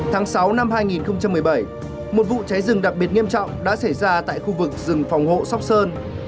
tháng sáu năm hai nghìn một mươi bảy một vụ cháy rừng đặc biệt nghiêm trọng đã xảy ra tại khu vực rừng phòng hộ sóc sơn